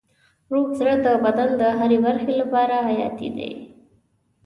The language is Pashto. روغ زړه د بدن د هرې برخې لپاره حیاتي دی.